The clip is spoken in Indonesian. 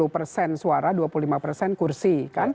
dua puluh persen suara dua puluh lima persen kursi